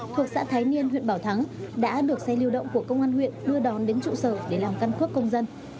thuộc xã thái niên huyện bảo thắng đã được xe lưu động của công an huyện đưa đón đến trụ sở để làm căn cước công dân